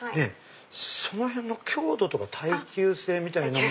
そのへんの強度とか耐久性みたいな。